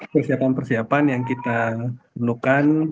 persiapan persiapan yang kita perlukan